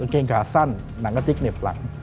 เกงขาสั้นหนังกะติ๊กเหน็บหลัง